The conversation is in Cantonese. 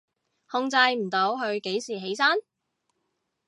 控制唔到佢幾時起身？